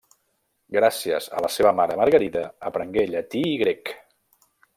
Gràcies a la seva mare Margarida aprengué llatí i grec.